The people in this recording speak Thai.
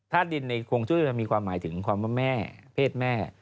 ถ้าดินในโครงจุ้ยมีความหมายถึงความว่าแม่เพศแม่